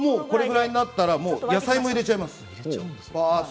これぐらいになったら野菜を入れちゃいます。